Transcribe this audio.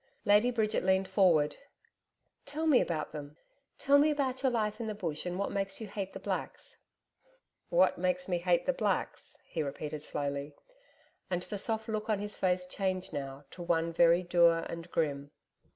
Lady Bridget leaned forward. 'Tell me about them Tell me about your life in the Bush and what makes you hate the Blacks.' 'What makes me hate the Blacks?' he repeated slowly and the soft look on his face changed now to one very dour and grim.